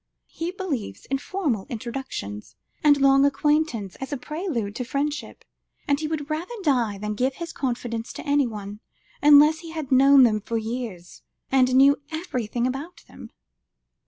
He believes in formal introductions, and long acquaintance as a prelude to friendship, and he would rather die than give his confidence to anyone, unless he had known them for years, and knew everything about them."